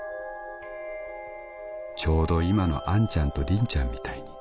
「ちょうど今のあんちゃんとりんちゃんみたいに」。